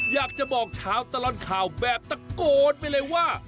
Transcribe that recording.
อยากจะบอกชาวตลอดข่าวแบบตะโกนไปเลยว่า